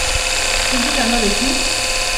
কিন্তু কেন দেখি?